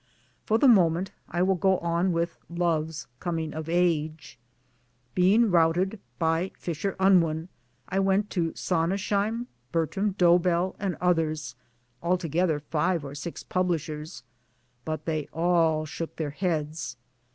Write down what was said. For the moment I will go on with Love's Coming of Age. Being routed by Fisher Unwin, I went to Sonnenschem, Bertram D obeli, and others altogether five or six publishers but they all shook their heads.